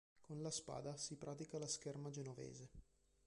Con la spada si pratica la scherma genovese.